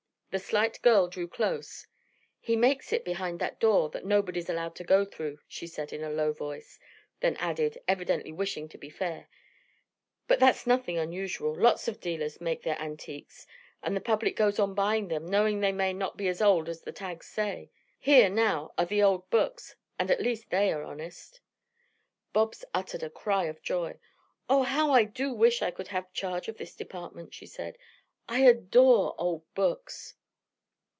The slight girl drew close. "He makes it behind that door that nobody's allowed to go through," she said in a low voice; then added, evidently wishing to be fair, "but that's nothing unusual. Lots of dealers make their antiques and the public goes on buying them knowing they may not be as old as the tags say. Here, now, are the old books, and at least they are honest." Bobs uttered a cry of joy. "Oh, how I do wish I could have charge of this department," she said. "I adore old books."